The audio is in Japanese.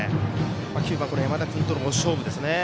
９番の山田君との勝負ですね。